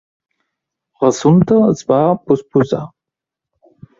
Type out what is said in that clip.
L'assumpte es va posposar.